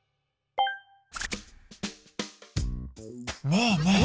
ねえねえ